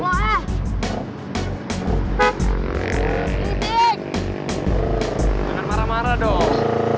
jangan marah marah dong